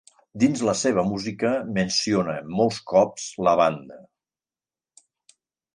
Dins la seva música menciona molts cops la banda.